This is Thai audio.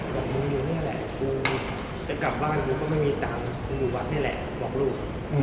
บอกมึงอยู่นี่แหละกูจะกลับบ้านกูก็ไม่มีตังค์กูอยู่วัดนี่แหละบอกลูก